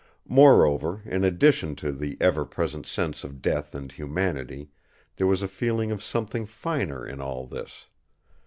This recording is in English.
Moreover, in addition to the ever present sense of death and humanity, there was a feeling of something finer in all this.